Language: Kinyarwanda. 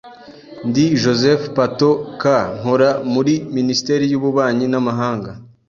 Ndi Josef Pato čka nkora muri Minisiteri y'Ububanyi n'Amahanga.